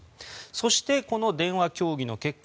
そして、この電話協議の結果